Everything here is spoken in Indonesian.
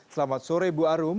selamat sore bu arum